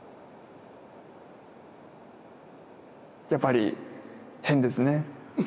やっぱり変ですね。